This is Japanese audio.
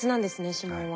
指紋は。